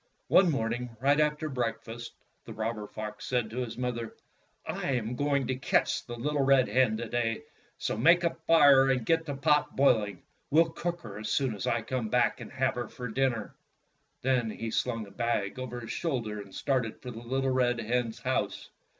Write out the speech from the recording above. One morning, right after breakfast, the robber fox said to his mother: "I am going to catch the little red hen to day. So make a fire, and get the pot boiling. We 'll cook her as soon as I come back and have her for dinner." Then he slung a bag over his shoulder and started for the little red hen's house.